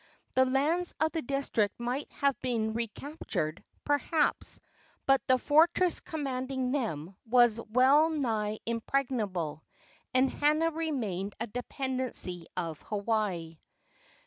The lands of the district might have been recaptured, perhaps, but the fortress commanding them was well nigh impregnable, and Hana remained a dependency of Hawaii.